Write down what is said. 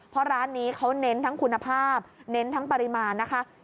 เพราะร้านนี้เขาเน้นทั้งคุณภาพเน้นทั้งปริมาณนะคะ